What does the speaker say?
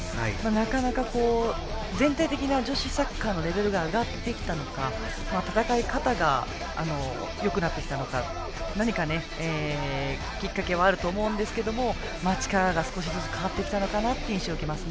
なかなか全体的な女子サッカーのレベルが上がってきたのか戦い方がよくなってきたのか何かきっかけはあると思うんですが力が少しずつ変わってきたのかなという印象を受けます。